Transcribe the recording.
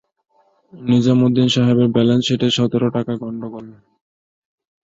নিজামুদ্দিন সাহেবের ব্যালেন্স শীটে সতের টাকার গণ্ডগোল।